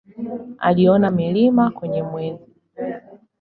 Aliona milima kwenye Mwezi.